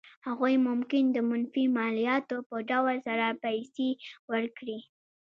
هغوی ممکن د منفي مالیاتو په ډول سره پیسې ورکړي.